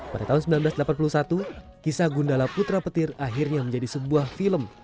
pada tahun seribu sembilan ratus delapan puluh satu kisah gundala putra petir akhirnya menjadi sebuah film